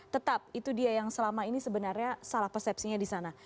tetap itu dia yang selama ini sebenarnya salah persepsinya di sana